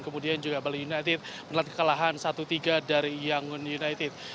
kemudian juga bali united menelan kekalahan satu tiga dari yangon united